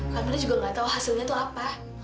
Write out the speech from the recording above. kamu juga enggak tahu hasilnya itu apa